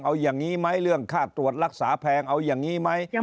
เอาอย่างนี้ไหมเรื่องค่าตรวจรักษาแพงเอาอย่างนี้ไหม